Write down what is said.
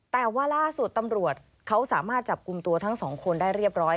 แต่ว่าล่าสุดตำรวจเขาสามารถจับกลุ่มตัวทั้งสองคนได้เรียบร้อย